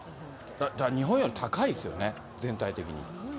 だから日本より高いですよね、全体的に。